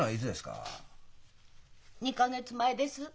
２か月前です。